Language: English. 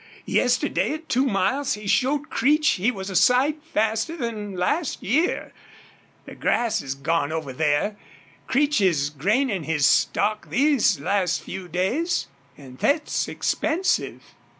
Yesterday at two miles he showed Creech he was a sight faster than last year. The grass is gone over there. Creech is grainin' his stock these last few days. An' thet's expensive."